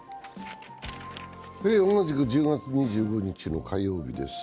同じく１０月２５日の火曜日です。